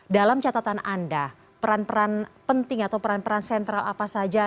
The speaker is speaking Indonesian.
dalam catatan anda peran peran penting atau peran peran sentral apa saja